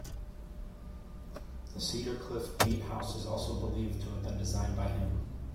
The Cedarcliff Gatehouse is also believed to have been designed by him.